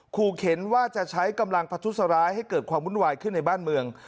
ขู่เข็นว่าจะใช้กำลังประทุษร้ายให้เกิดความวุ่นวายขึ้นในบ้านเมือง